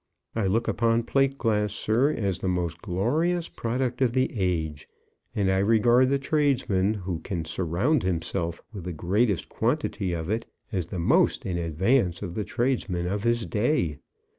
I look upon plate glass, sir, as the most glorious product of the age; and I regard the tradesman who can surround himself with the greatest quantity of it, as the most in advance of the tradesmen of his day.